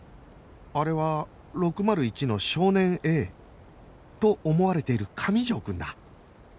あれは６０１の少年 Ａ と思われている上条くんだ